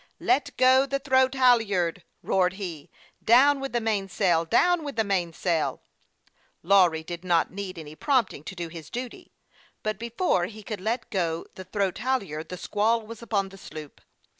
" Let go the throat halyard !" roared he. " Down ' with the mainsail ! down with the mainsail !" Lawry did not need any prompting to do his duty ; but before he could let go the throat halyard, the squall was upon the sloop.